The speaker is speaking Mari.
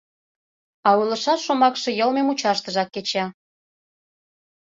А ойлышаш шомакше йылме мучаштыжак кеча.